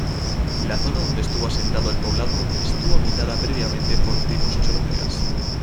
La zona donde está asentado el poblado estuvo habitada previamente por tribus chorotegas.